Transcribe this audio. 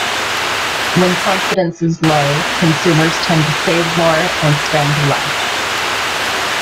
When confidence is low, consumers tend to save more and spend less.